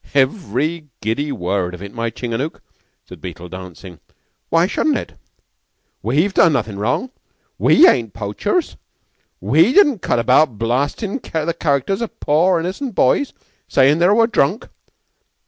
"Every giddy word of it, my Chingangook," said Beetle, dancing. "Why shouldn't it? We've done nothing wrong. We ain't poachers. We didn't cut about blastin' the characters of poor, innocent boys saying they were drunk."